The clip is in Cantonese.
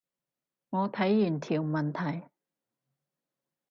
我睇完條問題